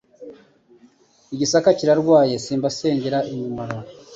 I Gisaka kirarwaye Simbasengera imimaro.